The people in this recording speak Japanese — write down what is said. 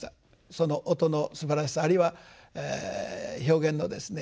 その音のすばらしさあるいは表現のですね